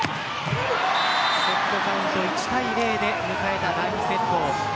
セットカウント１−０で迎えた第２セット。